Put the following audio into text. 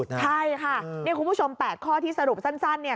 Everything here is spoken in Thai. ใช่ค่ะนี่คุณผู้ชม๘ข้อที่สรุปสั้นเนี่ย